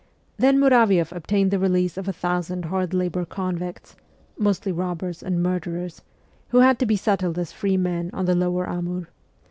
Then Muravi6ff obtained the release of a thousand hard labour convicts (mostly robbers and murderers), who had to be settled as free men on the lower Amur.